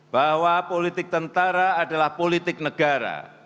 bahwa politik tentara adalah politik negara